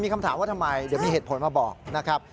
คำถามว่าทำไมเดี๋ยวมีเหตุผลมาบอกนะครับ